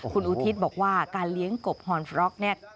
คุณอุทิศบอกว่าการเลี้ยงกบฮอนฟร็อกเนี่ย